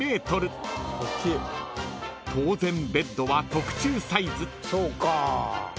［当然ベッドは特注サイズ］